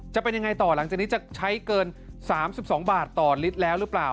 จะเป็นยังไงต่อหลังจากนี้จะใช้เกิน๓๒บาทต่อลิตรแล้วหรือเปล่า